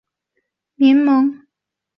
抗日战争期间参与创建民盟。